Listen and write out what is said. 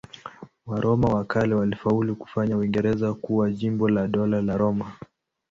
Waroma wa kale walifaulu kufanya Uingereza kuwa jimbo la Dola la Roma.